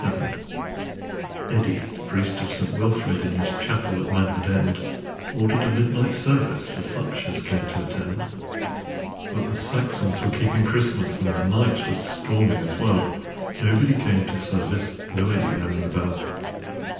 687)EDDI, priest of St. WilfridIn his chapel at Manhood End, Ordered a midnight serviceFor such as cared to attend. But the Saxons were keeping Christmas, And the night was stormy as well. Nobody came to service, Though Eddi rang the bell.